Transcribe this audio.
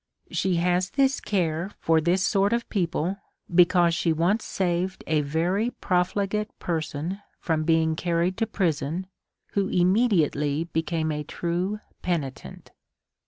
She has this care for this sort of people, be cause she once saved a very profligate person from being carried to prison, who immediately became a true penitent.